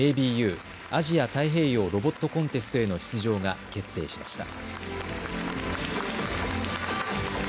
アジア・太平洋ロボットコンテストへの出場が決定しました。